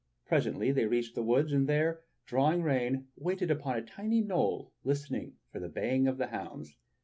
Presently they reached the wood, and there, drawing rein, waited upon a tiny knoll listening for the baying of the hounds.